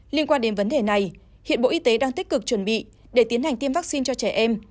liên quan đến vấn đề này hiện bộ y tế đang tích cực chuẩn bị để tiến hành tiêm vaccine cho trẻ em